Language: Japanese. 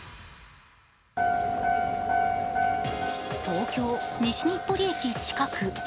東京・西日暮里駅近く。